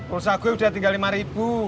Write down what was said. urusan gue udah tinggal rp lima